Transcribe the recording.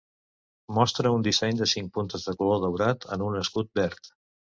Mostra un disseny de cinc puntes de color daurat en un escut verd.